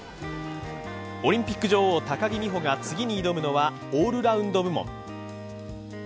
オリンピック女王・高木美帆が次に挑むのはオールラウンド部門。